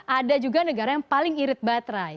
ada juga negara yang paling irit baterai